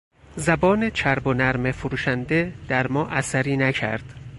زبان چرب و نرم فروشنده در ما اثری نکرد.